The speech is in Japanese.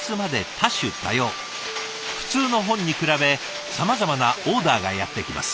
普通の本に比べさまざまなオーダーがやって来ます。